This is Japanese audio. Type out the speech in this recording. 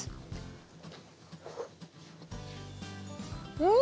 うん！